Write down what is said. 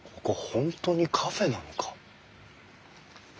本当にカフェなのか？